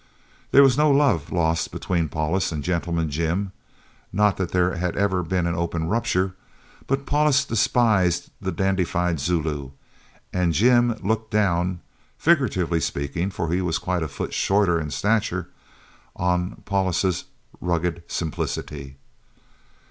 There was no love lost between Paulus and "Gentleman Jim" not that there had ever been an open rupture, but Paulus despised the dandified Zulu, and "Jim" looked down (figuratively speaking, for he was quite a foot shorter in stature) on Paulus's rugged simplicity.